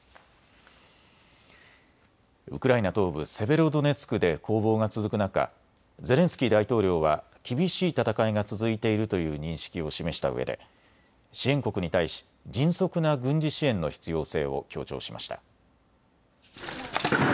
ウクライナ東部セベロドネツクで攻防が続く中、ゼレンスキー大統領は厳しい戦いが続いているという認識を示したうえで支援国に対し迅速な軍事支援の必要性を強調しました。